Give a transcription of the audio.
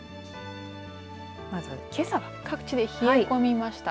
まず、けさは各地で冷え込みました。